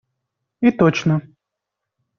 И точно.